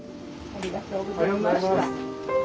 ありがとうございます。